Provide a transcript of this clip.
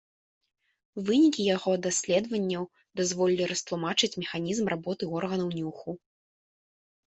Вынікі яго даследаванняў дазволілі растлумачыць механізм работы органаў нюху.